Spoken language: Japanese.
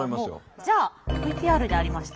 じゃあＶＴＲにありました